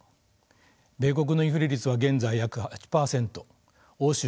米国のインフレ率は現在約８％欧州が１０％です。